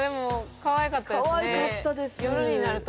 かわいかったです